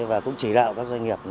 và cũng chỉ đạo các doanh nghiệp